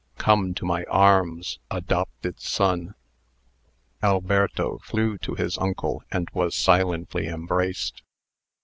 Come to my arms, adopted son!" Alberto flew to his uncle, and was silently embraced.